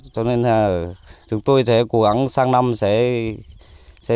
cho nên là chúng tôi sẽ cố gắng sang năm sẽ